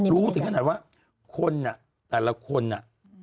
รู้ถึงขนาดว่าคนอ่ะแต่ละคนอ่ะ